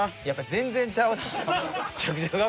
やっぱ全然ちゃうな。